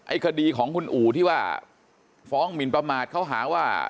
คดีของคุณอู่ที่ว่าฟ้องหมินประมาทเขาหาว่า